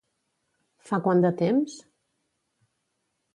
Fa quant de temps?